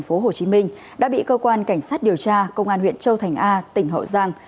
nguyễn phước hậu đã bị cơ quan cảnh sát điều tra công an huyện châu thành a tỉnh hậu giang